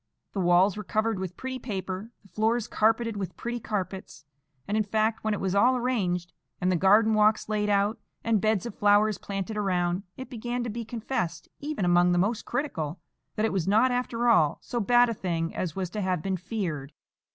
The walls were covered with pretty paper, the floors carpeted with pretty carpets; and, in fact, when it was all arranged, and the garden walks laid out, and beds of flowers planted around, it began to be confessed, even among the most critical, that it was not after all so bad a thing as was to have been feared.